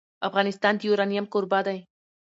افغانستان د یورانیم کوربه دی.